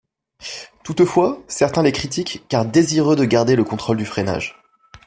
Toutefois, certains les critiquent car désireux de garder le contrôle du freinage.